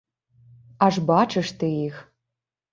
Аж бачыш ты іх!